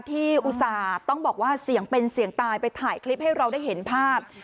อุตส่าห์ต้องบอกว่าเสี่ยงเป็นเสี่ยงตายไปถ่ายคลิปให้เราได้เห็นภาพ